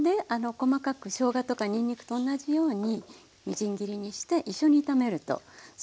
細かくしょうがとかにんにくと同じようにみじん切りにして一緒に炒めるとすごくおいしいの。